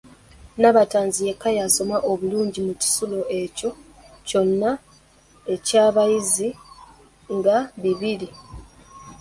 Nabatanzi yekka y'asoma obulungi mu kisulo ekyo kyonna eky’abayizi nga bibiri.